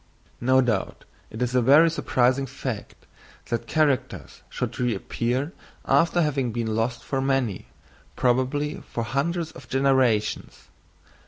No doubt it is a very surprising fact that characters should reappear after having been lost for many, probably for hundreds of generations.